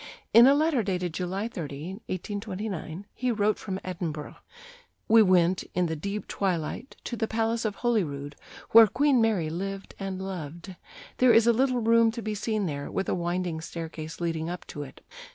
In a letter dated July 30, 1829, he wrote from Edinburgh: "We went, in the deep twilight, to the Palace of Holyrood, where Queen Mary lived and loved. There is a little room to be seen there, with a winding staircase leading up to it.